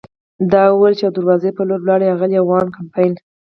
دا یې وویل او د دروازې په لور ولاړل، اغلې وان کمپن.